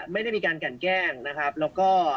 ไม่ได้มีการกันแกล้งนะครับแล้วก็